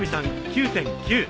９．９。